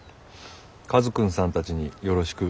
カズくんさんたちによろしく。